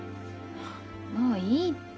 もういいって。